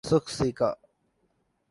سکسیکا